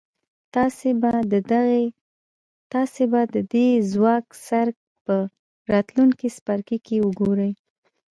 تاسې به د دې ځواک څرک په راتلونکي څپرکي کې وګورئ.